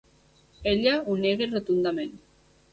Ella ho nega rotundament.